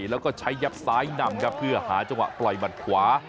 แล้วก็ใช้ยับซ้ายนำครับเพื่อหาจังหวะปล่อยหมัดขวา